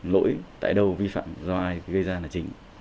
lỗi tại đâu vi phạm do ai gây ra là chính